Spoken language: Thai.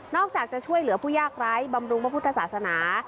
อกจากจะช่วยเหลือผู้ยากไร้บำรุงพระพุทธศาสนา